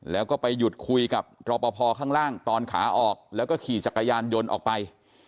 แล้วก็ไปหยุดคุยกับรอปภข้างล่างตอนขาออกแล้วก็ขี่จักรยานยนต์ออกไป